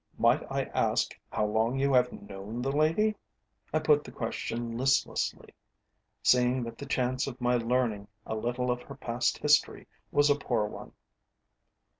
Might I ask how long you have known the lady?" I put the question listlessly, seeing that the chance of my learning a little of her past history was a poor one.